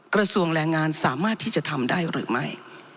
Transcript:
กระทรวงแรงงานสามารถที่จะทำได้หรือไม่